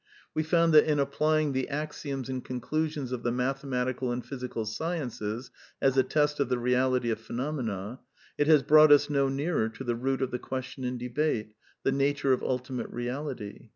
We found that in applying the axioms and conclusions of the mathematical and phy sical sciences as a test of the reality of phenomena, it has brought us no nearer to the root of the question in debate — the nature of ultimate reality.